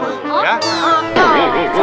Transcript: gak tahu pak asan